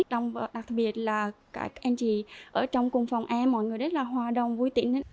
đặc biệt là cả em chị ở trong cùng phòng em mọi người rất là hòa đồng vui tĩnh